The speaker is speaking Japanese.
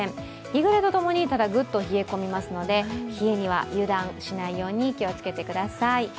日暮れとともにぐっと冷え込みますので、冷えには油断しないよう気を付けてください。